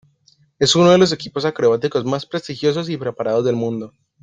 Es uno de los equipos acrobáticos más prestigiosos y preparados del mundo.